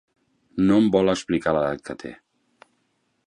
No em vol explicar l'edat que té.